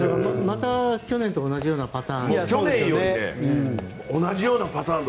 また去年と同じようなパターン。